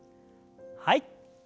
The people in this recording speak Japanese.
はい。